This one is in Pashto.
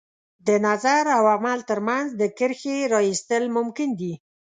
د نظر او عمل تر منځ د کرښې را ایستل ممکن دي.